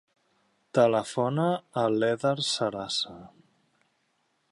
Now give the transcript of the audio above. Telefona a l'Eder Sarasa.